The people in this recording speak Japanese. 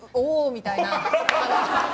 みたいな。